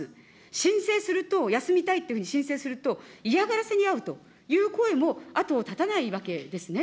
申請すると休みたいというふうに申請すると、嫌がらせに遭うという声も後を絶たないわけですね。